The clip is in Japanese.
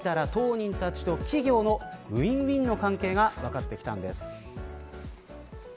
調べてみたら当人たちと企業のウィンウィンの関係が見えてきたんです。